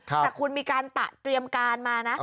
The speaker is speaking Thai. แต่คุณมีการตะเตรียมการมานะ